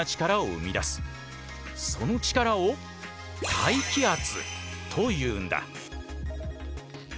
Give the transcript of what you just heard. その力を大気圧というんだ。